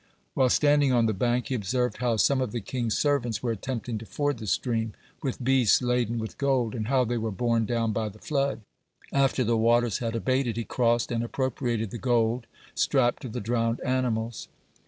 While standing on the bank, he observed how some of the king's servants were attempting to ford the stream with beasts laden with gold, and how they were borne down by the flood. After the waters had abated, he crossed and appropriated the gold strapped to the drowned animals.